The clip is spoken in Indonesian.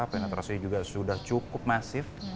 penetrasi juga sudah cukup masih